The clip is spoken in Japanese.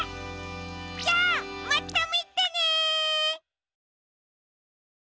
じゃあまたみてね！